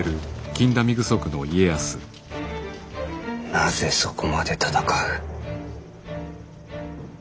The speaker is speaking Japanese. なぜそこまで戦う。